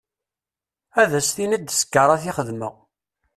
Ad s-tiniḍ d ẓẓkarat i xeddmeɣ.